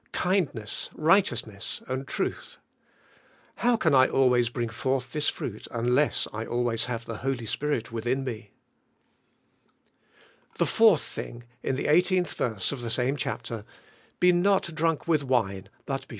— kindness, righteousness, and truth. How can I al wa3's bring forth this fruit unless I always have the Holy Spirit within me? 4. The fourth thing, in the 18th verse of the same chapter: "Be not drunk with wine but be I'HK HOIvY SPIRIT IN KPHKSIANS.